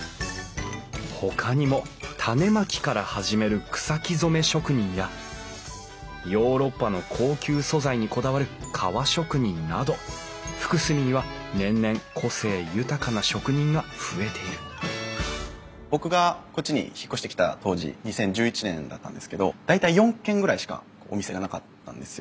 ほかにも種まきから始める草木染め職人やヨーロッパの高級素材にこだわる革職人など福住には年々個性豊かな職人が増えている僕がこっちに引っ越してきた当時２０１１年だったんですけど大体４軒ぐらいしかお店がなかったんですよ。